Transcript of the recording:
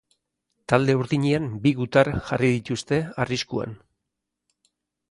Talde urdinean bi gutar jarri dituzte arriskuan.